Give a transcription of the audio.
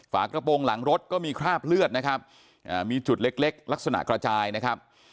ฝากระโปรงหลังรถก็มีคราบเลือดนะครับมีจุดเล็กลักษณะกระจายนะครับ